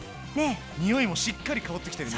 匂いもしっかり香ってきてるよね。